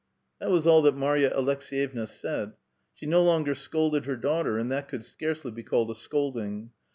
That was all that Marya Aleks^yevna said. She no longer scolded her daughter, and that could scarcely be called a scolding.